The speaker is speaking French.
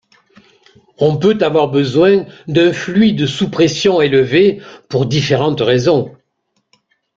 On peut avoir besoin d'un fluide sous pression élevée, pour différentes raisons.